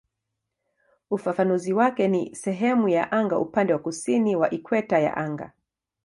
Ufafanuzi wake ni "sehemu ya anga upande wa kusini wa ikweta ya anga".